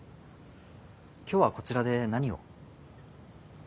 今日はこちらで何を？